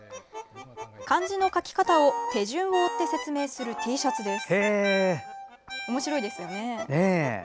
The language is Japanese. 漢字の書き方を手順を追って説明するＴシャツです。